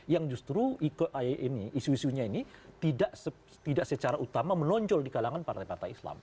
yang justru isu isunya ini tidak secara utama menonjol di kalangan partai partai islam